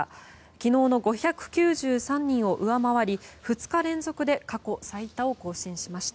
昨日の５９３人を上回り２日連続で過去最多を更新しました。